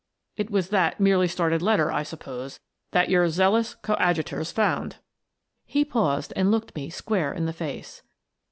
It was that merely started letter, I suppose, that your zealous coadju tors found." He paused and looked me square in the face.